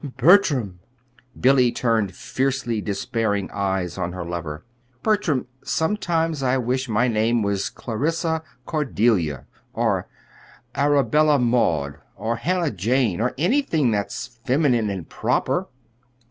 Bertram!" Billy turned fiercely despairing eyes on her lover "Bertram, sometimes I wish my name were 'Clarissa Cordelia,' or 'Arabella Maud,' or 'Hannah Jane' anything that's feminine and proper!"